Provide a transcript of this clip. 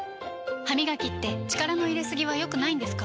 歯みがきって力の入れすぎは良くないんですか？